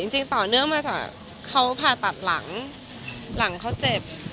จริงต่อเนื่องมาจากเขาผ่าตัดหลังหลังเขาเจ็บ